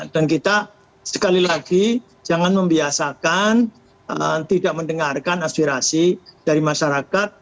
dan kita sekali lagi jangan membiasakan tidak mendengarkan aspirasi dari masyarakat